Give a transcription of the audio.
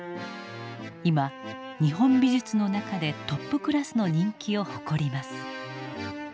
今日本美術の中でトップクラスの人気を誇ります。